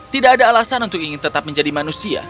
tidak ada alasan untuk ingin tetap menjadi manusia